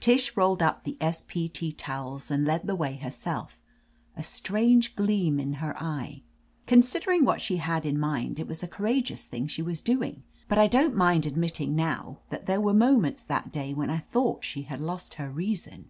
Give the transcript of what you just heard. Tish rolled up the S. P. T. towels and led the way herself, a strange gleam in her eye. Considering what she had in mind, it was a courageous thing she was doing, but I don't mind admitting now that there were moments that day when I thought she had lost her reason.